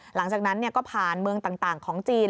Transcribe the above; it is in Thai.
หลังจากนั้นก็ผ่านเมืองต่างของจีน